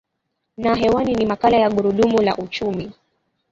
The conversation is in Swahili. na hewani ni makala ya gurudumu la uchumi